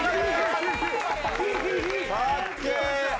かっけー！